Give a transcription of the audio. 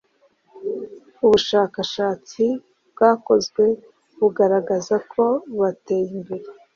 Ubushskashatsi bwakozwe bugaragaza ko bateya imbere